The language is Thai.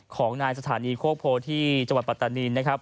ของนายสถานีโภคโพธิจัวร์ปัตตานีนนะครับ